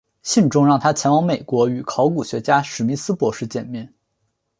信中让他前往美国与考古学家史密斯博士见面。